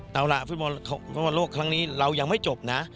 เอาล่ะฟุตบอลโลกครั้งนี้เรายังไม่จบนะ